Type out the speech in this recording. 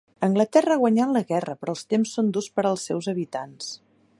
Anglaterra ha guanyat la guerra però els temps són durs pels seus habitants.